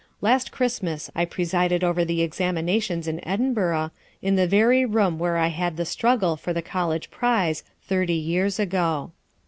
Last Christmas I presided over the examinations in Edinburgh, in the very room where I had the struggle for the college prize thirty years ago."